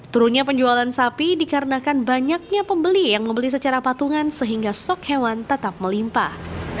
turunnya penjualan sapi dikarenakan banyaknya pembeli yang membeli secara patungan sehingga stok hewan tetap melimpah